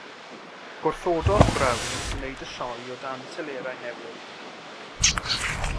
Gwrthododd Brown wneud y sioe o dan y telerau newydd.